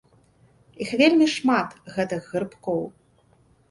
Іх вельмі шмат, гэтых грыбкоў.